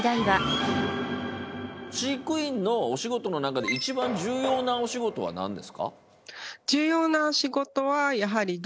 飼育員のお仕事の中で一番重要なお仕事は何ですか？